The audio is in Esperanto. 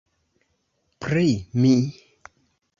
Pri mi!